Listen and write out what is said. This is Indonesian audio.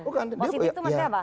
positif itu maksudnya apa